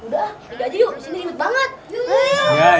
udah tidak aja yuk disini ribet banget